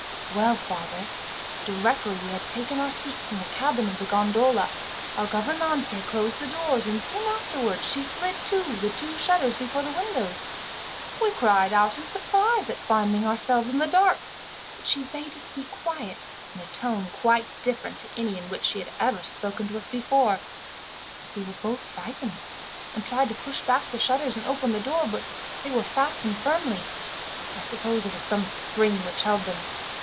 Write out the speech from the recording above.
"Well, father, directly we had taken our seats in the cabin of the gondola, our gouvernante closed the doors, and soon afterwards she slid to the two shutters before the windows. We cried out in surprise at finding ourselves in the dark, but she bade us be quiet, in a tone quite different to any in which she had ever spoken to us before. We were both frightened, and tried to push back the shutters and open the door, but they were fastened firmly. I suppose there was some spring which held them.